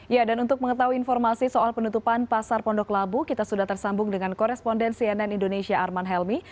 ya dan untuk mengetahui informasi soal penutupan pasar pondok labu kita sudah tersambung dengan koresponden cnn indonesia arman helmi